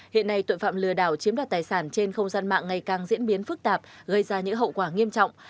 hiện nay tội phạm lừa đảo chiếm đoạt tài sản trên không gian mạng ngày càng diễn biến phức tạp gây ra những hậu quả nghiêm trọng